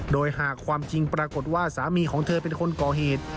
โดยหากความจริงปรากฏว่าสามีของเธอเป็นคนก่อเหตุ